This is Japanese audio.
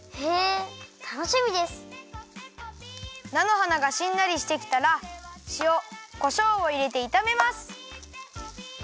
なのはながしんなりしてきたらしおこしょうをいれていためます。